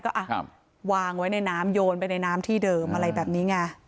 ก็วางไว้ในน้ำโยนไปในน้ำที่เดิมอะไรแบบนี้ไง